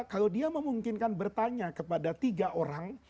kalau dia memungkinkan bertanya kepada tiga orang